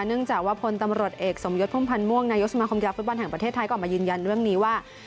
เนื่องจากว่าพลตำรวจเอกสมยศพุ่มพันธ์ม่วงนายกสมาคมกีฬาฟุตบอลแห่งประเทศไทยก็ออกมายืนยันเรื่องนี้ว่า